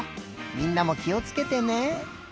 みんなもきをつけてね。